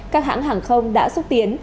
các hãng hàng không đã xúc tiến